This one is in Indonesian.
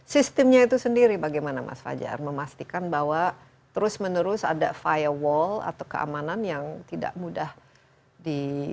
sistemnya itu sendiri bagaimana mas fajar memastikan bahwa terus menerus ada firewall atau keamanan yang tidak mudah di